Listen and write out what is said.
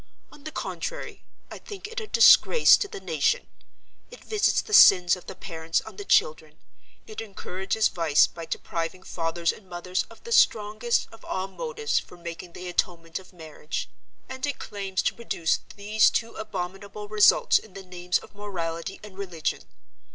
On the contrary, I think it a disgrace to the nation. It visits the sins of the parents on the children; it encourages vice by depriving fathers and mothers of the strongest of all motives for making the atonement of marriage; and it claims to produce these two abominable results in the names of morality and religion.